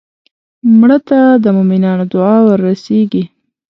مړه ته د مومنانو دعا ورسېږي